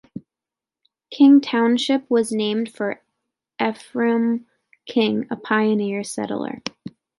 King Township was named for Ephraim King, a pioneer settler.